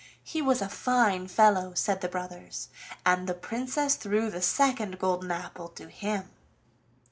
He was a fine fellow," said the brothers, "and the Princess threw the second golden apple to him!"